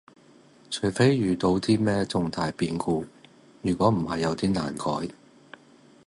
除非遇到啲咩重大變故，如果唔係有啲難改